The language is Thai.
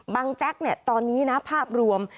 บังแจ๊กเนี่ยตอนนี้นะภาพรวม